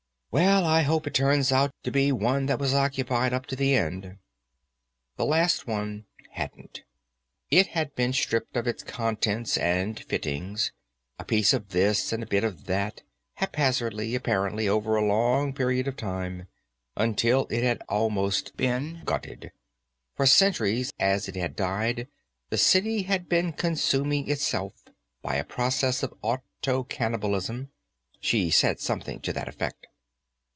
"Well, I hope it turns out to be one that was occupied up to the end." The last one hadn't. It had been stripped of its contents and fittings, a piece of this and a bit of that, haphazardly, apparently over a long period of time, until it had been almost gutted. For centuries, as it had died, this city had been consuming itself by a process of auto cannibalism. She said something to that effect.